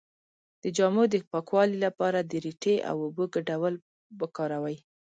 د جامو د پاکوالي لپاره د ریټې او اوبو ګډول وکاروئ